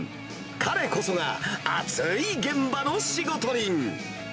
彼こそが、アツい現場の仕事人。